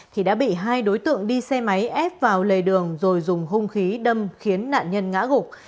thì đã bị hai đối tượng đi xe máy ép vào lề đường rồi dùng hung khí đâm khiến nạn nhân ngã gục